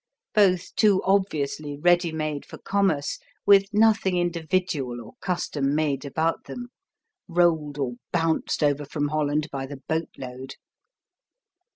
Both too obviously ready made for commerce with nothing individual or custom made about them, rolled or bounced over from Holland by the boat load.